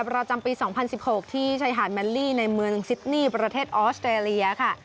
ประจำปี๒๐๑๖ที่ชายหาดแมลลี่ในเมืองซิดนี่ประเทศออสเตรเลียค่ะ